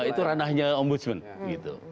itu ranahnya om budsman gitu